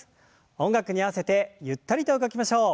音楽に合わせてゆったりと動きましょう。